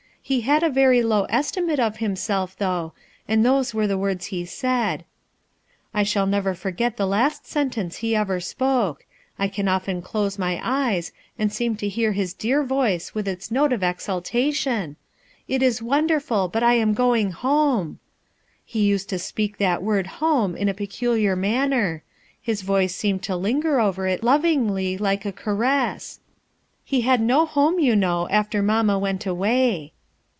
lie had a very low esti mate of himself, though, and those were the 308 RUTH ERSKINE'S SON words he said. I shall never forget the last sentence he ever spoko; I can often close my eyes and seem to hear his dear voice with its note of exultation, 'It is wonderful, but I am going kaml' He used to speak that word 'home 1 in a peculiar manner; his voice seemed to linger over it lovingly, like a caress. He had no home, you know, after mamma went away."